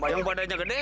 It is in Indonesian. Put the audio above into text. yang badannya gede